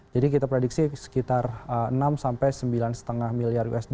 jadi kita prediksi sekitar enam sembilan lima miliar usd